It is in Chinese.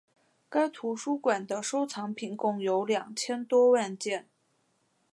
该图书馆的收藏品共有两千多万件。